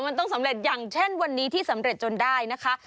มันต้องสำเร็จอย่างเช่นวันนี้ที่สำเร็จจนได้นะคะ